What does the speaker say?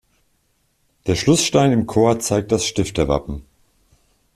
Der Schlussstein im Chor zeigt das Stifterwappen.